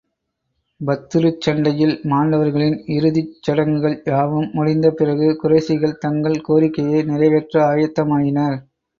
பத்ருச் சண்டையில் மாண்டவர்களின் இறுதிச் சடங்குகள் யாவும் முடிந்த பிறகு, குறைஷிகள் தங்கள் கோரிக்கையை நிறைவேற்ற ஆயத்தமாயினர்.